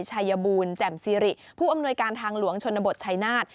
ชายบูลแจ่มซีริผู้อำนวยการทางหลวงชนบทชัยนาฏ